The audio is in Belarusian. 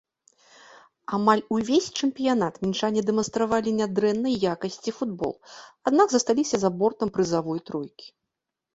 Амаль увесь чэмпіянат мінчане дэманстравалі нядрэннай якасці футбол, аднак засталіся за бортам прызавы тройкі.